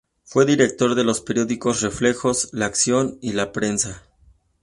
Fue director de los periódicos "Reflejos", "La Acción" y "La Prensa".